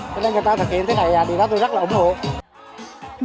cho nên người ta thực hiện thế này thì đó tôi rất là ủng hộ